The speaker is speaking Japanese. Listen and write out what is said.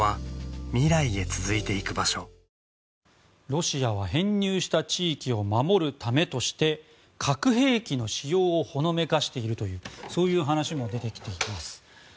ロシアは編入した地域を守るためとして核兵器の使用をほのめかしているというそういう話も出てきています。